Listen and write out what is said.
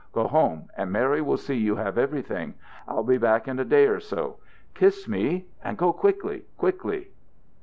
Go home, and Mary will see you have everything. I'll be back in a day or so. Kiss me, and go quickly. Quickly!"